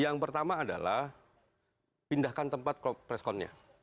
yang pertama adalah pindahkan tempat responnya